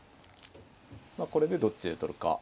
これでどっちで取るか。